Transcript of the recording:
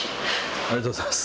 ありがとうございます。